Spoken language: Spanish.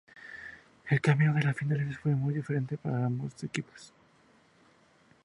El camino a las Finales fue muy diferente para ambos equipos.